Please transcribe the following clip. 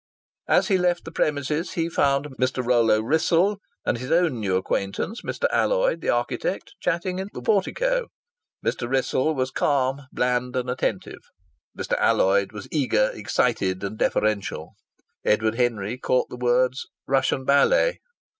As he left the premises he found Mr. Rollo Wrissell, and his own new acquaintance, Mr. Alloyd, the architect, chatting in the portico. Mr. Wrissell was calm, bland and attentive; Mr. Alloyd was eager, excited and deferential. Edward Henry caught the words "Russian Ballet."